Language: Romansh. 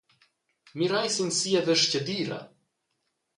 Mirei sin sia vestgadira.